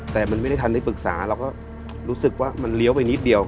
แต่มันไม่ได้ทันได้ปรึกษาเราก็รู้สึกว่ามันเลี้ยวไปนิดเดียว